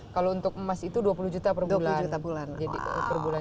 kalau untuk emas itu dua puluh juta per bulan